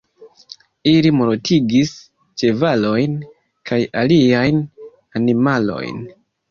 Ili mortigis ĉevalojn kaj aliajn animalojn.